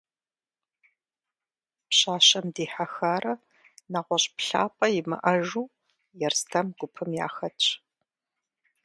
Пщащэм дихьэхарэ нэгъуэщӏ плъапӏэ имыӏэжу, Ерстэм гупым яхэтщ.